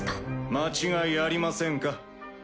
間違いありませんか？